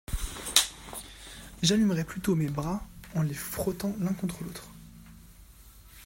J’allumerais plutôt mes bras en les frottant l’un contre l’autre